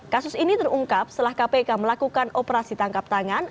kasus ini terungkap setelah kpk melakukan operasi tangkap tangan